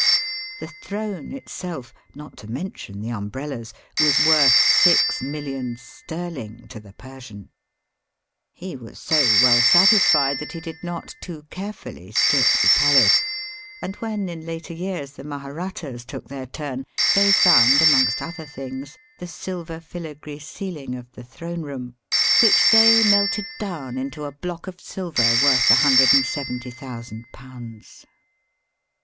The throne itself, not to mention the um brellas, was worth six millions sterling to the Persian. He was so well satisfied that he did not too carefully strip the palace, and when in later years the Maharattas took their turn, they found, amongst other things, the silver filigree ceiUng of the throne room, which they Digitized by VjOOQIC 298 EAST BY WEST. melted down into a block of silver worth jei70,000.